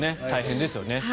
大変ですよね。